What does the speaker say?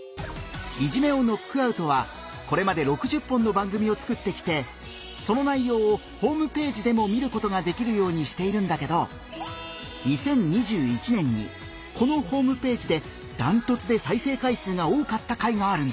「いじめをノックアウト」はこれまで６０本の番組を作ってきてその内容をホームページでも見ることができるようにしているんだけど２０２１年にこのホームページでダントツで再生回数が多かった回があるんだ。